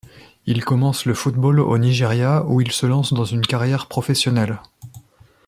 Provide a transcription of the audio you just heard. Il commence le football au Nigeria où il se lance dans une carrière professionnelle.